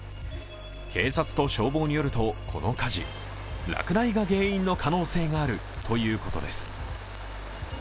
警察と消防によるとこの火事、落雷が原因の可能性があるということです。